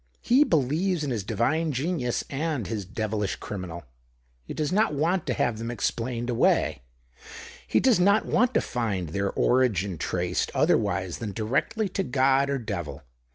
He believes in his divine genius and his devilish criminal. He does not want to have them explained away ; he does not want to find their origin traced otherwise than directly to God or devil.